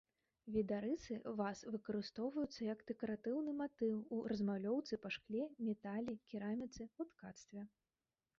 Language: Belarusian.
Відарысы ваз выкарыстоўваюцца як дэкаратыўны матыў у размалёўцы па шкле, метале, кераміцы, у ткацтве.